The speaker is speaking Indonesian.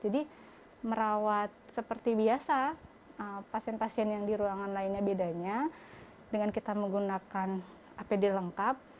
merawat seperti biasa pasien pasien yang di ruangan lainnya bedanya dengan kita menggunakan apd lengkap